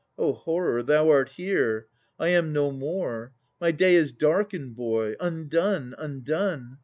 O horror, thou art here! I am no more. My day is darkened, boy! Undone, undone!